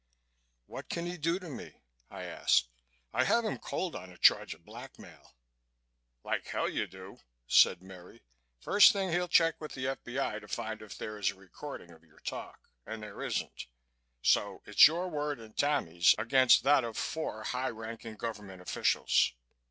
"What can he do to me?" I asked. "I have him cold on a charge of blackmail." "Like hell you do!" said Merry. "First thing he'll check with the F.B.I. to find out if there is a recording of your talk. And there isn't. So it's your word and Tammy's against that of four high ranking government officials.